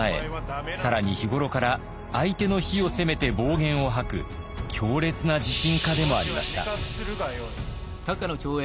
更に日頃から相手の非を責めて暴言を吐く強烈な自信家でもありました。